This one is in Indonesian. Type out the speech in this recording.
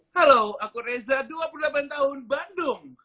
halo aku reza dua puluh delapan tahun bandung